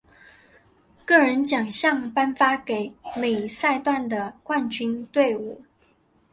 个人奖项颁发给每赛段的冠军队伍。